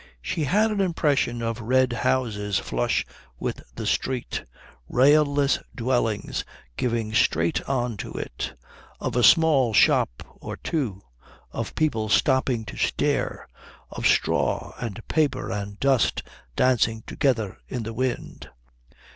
She had an impression of red houses flush with the street, railless dwellings giving straight on to it; of a small shop or two; of people stopping to stare; of straw and paper and dust dancing together in the wind.